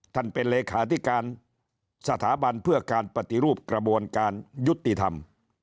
เป็นเลขาธิการสถาบันเพื่อการปฏิรูปกระบวนการยุติธรรม